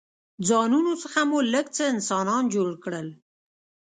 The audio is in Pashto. ځانونو څخه مو لږ څه انسانان جوړ کړل.